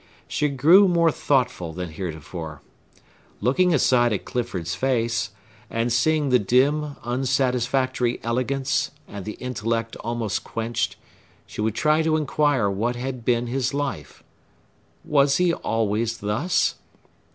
She grew more thoughtful than heretofore. Looking aside at Clifford's face, and seeing the dim, unsatisfactory elegance and the intellect almost quenched, she would try to inquire what had been his life. Was he always thus?